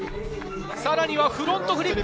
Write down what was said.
さらにフロントフリップ。